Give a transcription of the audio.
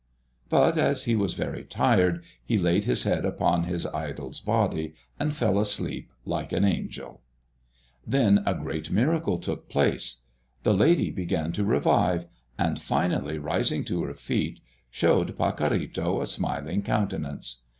But as he was very tired, he laid his head upon his idol's body and fell asleep like an angel. Then a great miracle took place. The lady began to revive, and finally rising to her feet, showed Pacorrito a smiling countenance.